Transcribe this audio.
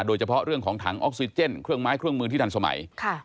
โดยเฉพาะเรื่องของถังออกซิเจนเครื่องไม้เครื่องมือที่ทันสมัย